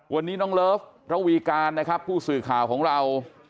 วันนี้น้องเลิฟระวีการนะครับผู้สื่อข่าวของเรา